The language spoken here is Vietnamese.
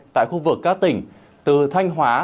tại khu vực các tỉnh từ thanh hóa